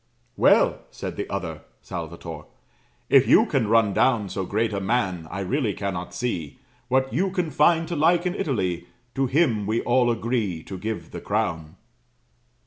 "'Well,' said the other" [Salvator], 'if you can run down So great a man, I really cannot see What you can find to like in Italy; To him we all agree to give the crown.'